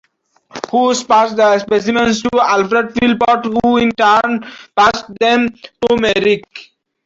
Howes passed the specimens to Alfred Philpott who in turn passed them to Meyrick.